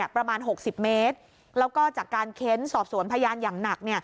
ประมาณ๖๐เมตรแล้วก็จากการเค้นสอบสวนพยานอย่างหนัก